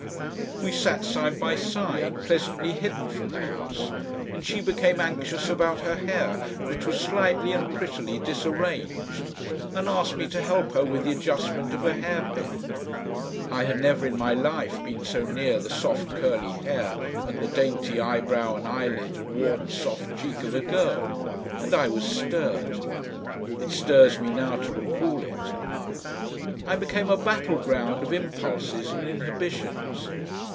We sat side by side, pleasantly hidden from the house, and she became anxious about her hair, which was slightly and prettily disarranged, and asked me to help her with the adjustment of a hairpin. I had never in my life been so near the soft curly hair and the dainty eyebrow and eyelid and warm soft cheek of a girl, and I was stirred It stirs me now to recall it. I became a battleground of impulses and inhibitions.